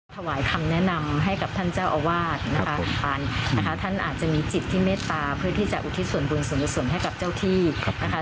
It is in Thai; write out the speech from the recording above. ถวายคำแนะนำให้กับท่านเจ้าอาวาสนะคะท่านอาจจะมีจิตที่เมตตาเพื่อที่จะอุทิศส่วนบุญส่วนกุศลให้กับเจ้าที่นะคะ